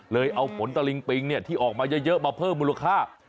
เลยเอาผลตาลิ้งปิงเนี่ยที่ออกมาเยอะมาเพิ่มมูลค่า